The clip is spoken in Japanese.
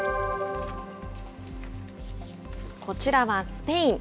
こちらはスペイン。